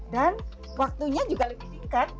dan waktunya juga lebih tingkat